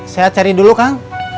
saya cari dulu kang